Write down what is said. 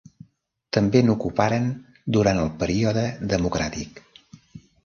També n'ocuparen durant el període democràtic.